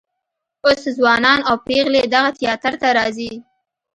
اوس ځوانان او پیغلې دغه تیاتر ته راځي.